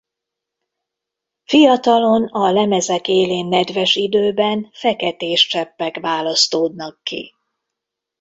Fiatalon a lemezek élén nedves időben feketés cseppek választódnak ki.